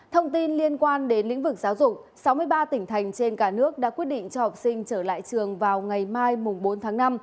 thông tin liên quan đến lĩnh vực giáo dục sáu mươi ba tỉnh thành trên cả nước đã quyết định cho học sinh trở lại trường vào ngày mai bốn tháng năm